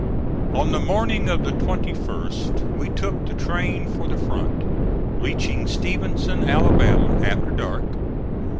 On the morning of the 21st we took the train for the front, reaching Stevenson Alabama, after dark.